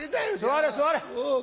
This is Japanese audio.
座れ座れ。